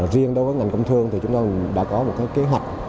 riêng đối với ngành công thương thì chúng tôi đã có một kế hoạch